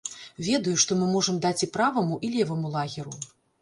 Ведаю, што мы можам даць і праваму, і леваму лагеру.